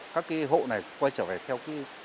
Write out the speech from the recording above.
các hộ này quay trở về theo